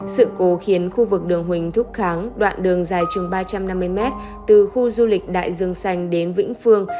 sự cố khiến khu vực đường huỳnh thúc kháng đoạn đường dài chừng ba trăm năm mươi m từ khu du lịch đại dương xanh đến vĩnh phương